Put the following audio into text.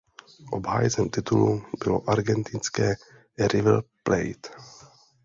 Obhájcem titulu bylo argentinské River Plate.